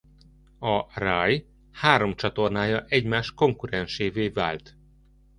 A Rai három csatornája egymás konkurensévé vált.